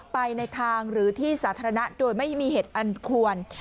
ไปในทางหรือที่สาธารณะโดยไม่มีเหตุอันควร